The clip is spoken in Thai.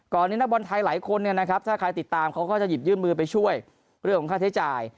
นี้นักบอลไทยหลายคนเนี่ยนะครับถ้าใครติดตามเขาก็จะหยิบยื่นมือไปช่วยเรื่องของค่าใช้จ่าย